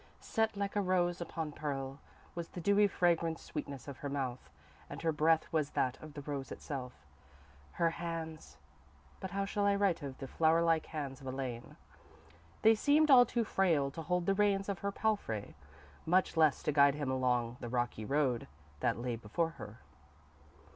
Set like a rose upon pearl was the dewy, fragrant sweetness of her mouth, and her breath was that of the rose itself. Her hands but how shall I write of the flower like hands of Elaine? They seemed all too frail to hold the reins of her palfrey, much less to guide him along the rocky road that lay before her.